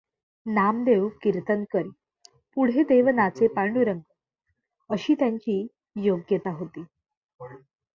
नामदेव कीर्तन करी, पुढे देव नाचे पांडुरंग अशी त्यांची योग्यता होती.